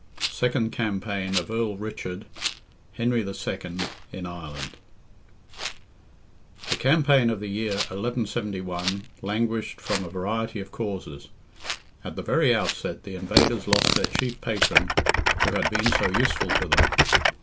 SECOND CAMPAIGN OF EARL RICHARD—HENRY II. IN IRELAND. The campaign of the year 1171 languished from a variety of causes. At the very outset, the invaders lost their chief patron, who had been so useful to them.